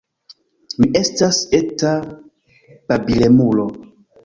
Mi estas eta babilemulo.